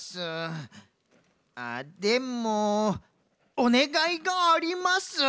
あでもおねがいがあります。